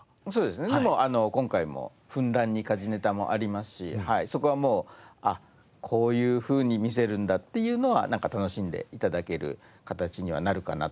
でも今回もふんだんに家事ネタもありますしそこはもうこういうふうに見せるんだっていうのは楽しんで頂ける形にはなるかなとはい。